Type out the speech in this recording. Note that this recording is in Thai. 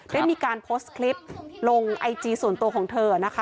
ได้มีการโพสต์คลิปลงไอจีส่วนตัวของเธอนะคะ